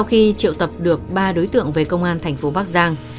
khi triệu tập được ba đối tượng về công an tp bắc giang